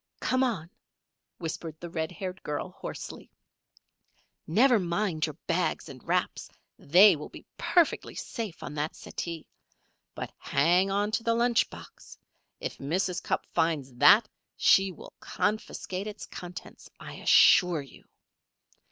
"Come on!" whispered the red haired girl, hoarsely. "Never mind your bags and wraps. They will be perfectly safe on that settee. But hang onto the lunch box. If Mrs. Cupp finds that she will confiscate its contents, I assure you."